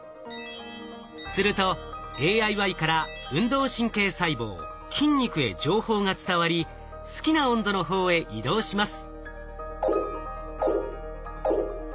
するとＡＩＹから運動神経細胞筋肉へ情報が伝わり好きな温度の方へ移動します。